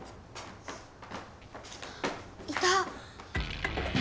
いた！